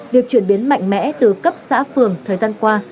việc chuyển biến mạnh mẽ từ cấp xã phường thời gian qua